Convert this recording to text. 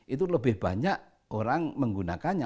itu lebih banyak orang menggunakannya